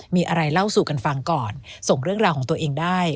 มีอะไรเล่าสู่กันฟังก่อนส่งเรื่องราวของตัวเองได้